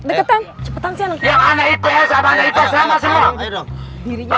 yang anak ips sama anak ips sama semua